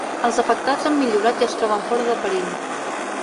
Els afectats han millorat i es troben fora de perill.